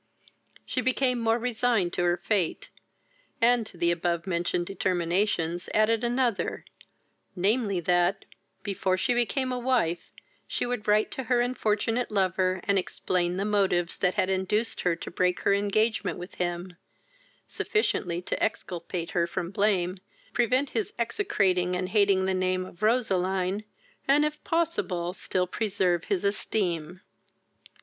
She became more resigned to her fate, and to the above mentioned determinations added another, namely, that, before she became a wife, she would write to her unfortunate lover, and explain the motives that had induced her to break her engagement with him, sufficiently to exculpate her from blame, prevent his execrating and hating the name of Roseline, and if possible still to preserve his esteem.